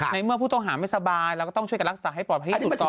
ในเมื่อผู้ต้องหาไม่สบายเราก็ต้องช่วยกันรักษาให้ปลอดภัยที่สุดก่อน